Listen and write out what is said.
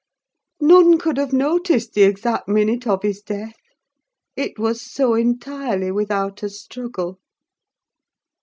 None could have noticed the exact minute of his death, it was so entirely without a struggle.